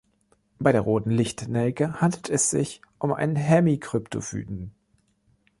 Bei der Roten Lichtnelke handelt es sich um einen Hemikryptophyten.